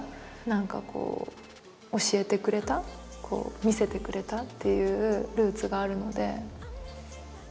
何かこう教えてくれた見せてくれたっていうルーツがあるので。